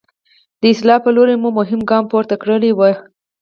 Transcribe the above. د اصلاح په لوري مو مهم ګام پورته کړی وي.